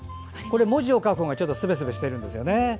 文字を書くほうがすべすべしているんですよね。